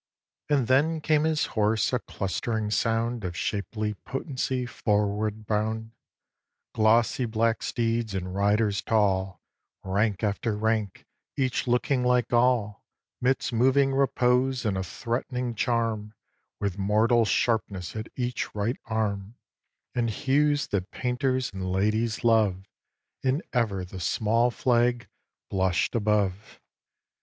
And then came his horse, a clustering sound Of shapely potency, forward bound, Glossy black steeds, and riders tall, Rank after rank, each looking like all, Midst moving repose and a threatening charm, With mortal sharpness at each right arm, And hues that painters and ladies love, And ever the small flag blush'd above.